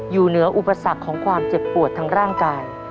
อยู่เหนืออุปสรรคของความเจ็บปวดทางร่างกาย